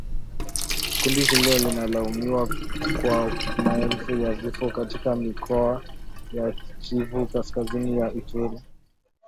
Kundi hilo limelaumiwa kwa maelfu ya vifo katika mikoa ya Kivu Kaskazini na Ituri